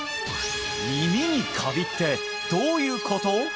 耳にカビってどういうこと？